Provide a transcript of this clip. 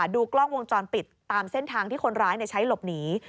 ดูกล้องวงจรปิดตามเส้นทางที่คนร้ายใช้หลบหนี